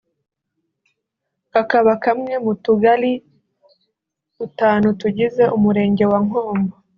kakaba kamwe mu tugali dutanu tugize Umurenge wa Nkombo